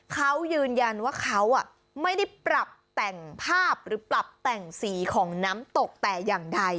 เขายืนยันว่าเขาไม่ได้ปรับแต่งภาพหรือปรับแต่งสีของน้ำตกแต่อย่างใด